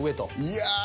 いや。